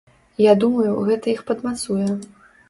Я думаю, гэта іх падмацуе.